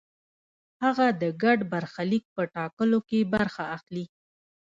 هغه د ګډ برخلیک په ټاکلو کې برخه اخلي.